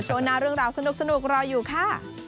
ช่วงหน้าเรื่องราวสนุกรออยู่ค่ะ